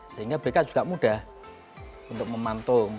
sehingga bk juga mudah untuk memantung